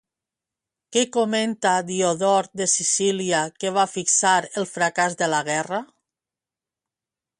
Què comenta Diodor de Sicília que va fixar el fracàs de la guerra?